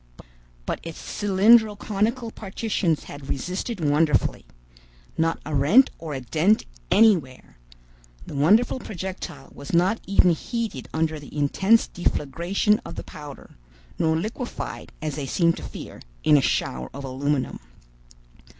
But its cylindro conical partitions had resisted wonderfully. Not a rent or a dent anywhere! The wonderful projectile was not even heated under the intense deflagration of the powder, nor liquefied, as they seemed to fear, in a shower of aluminum.